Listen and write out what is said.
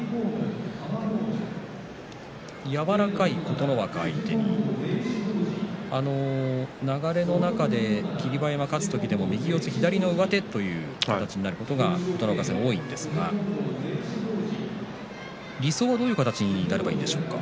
柔らかい琴ノ若相手に流れの中で霧馬山、勝つ時でも右四つ左の上手になることが多いんですが理想はどういう形になればいいでしょうか？